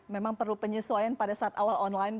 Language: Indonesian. memang perlu penyesuaian pada saat awal online